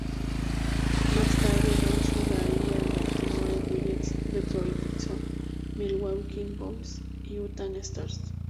Más tarde, Jones jugaría en Baltimore Bullets, Detroit Pistons, Milwaukee Bucks y Utah Stars.